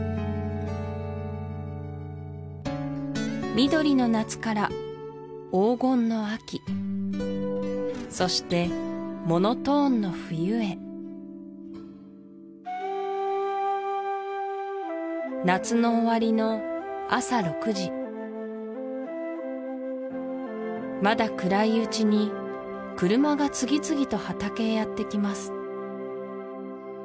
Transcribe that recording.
緑の夏から黄金の秋そしてモノトーンの冬へ夏の終わりの朝６時まだ暗いうちに車が次々と畑へやってきます